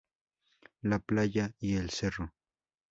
La Playa y El Cerro.